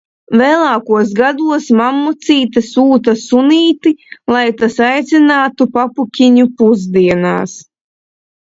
Vēlākos gados mammucīte sūta sunīti, lai tas aicinātu papukiņu pusdienās.